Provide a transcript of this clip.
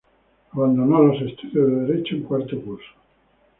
Abandonó los estudios de Derecho en cuarto curso.